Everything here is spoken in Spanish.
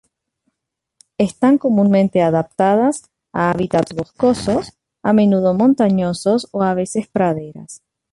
Están comúnmente adaptadas a hábitats boscosos, a menudo montañosos o a veces praderas.